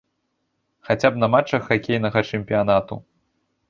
Хаця б на матчах хакейнага чэмпіянату.